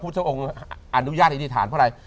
เจ้าองค์อนุญาตอธิษฐานเพราะอะไร